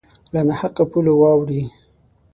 له نا حقو پولو واوړي